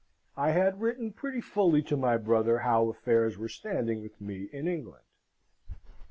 I had written pretty fully to my brother how affairs were standing with me in England.